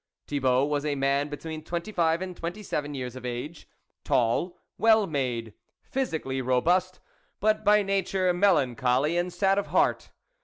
Thibault was a man between twenty five and twenty seven years of age, tall, well made, physically robust, But by nature melancholy and sad of heart.